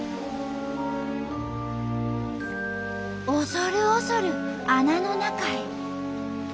恐る恐る穴の中へ。